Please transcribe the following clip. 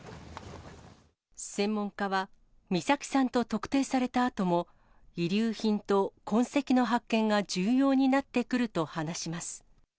専門家は、美咲さんと特定されたあとも、遺留品と痕跡の発見が重要になってくると話します。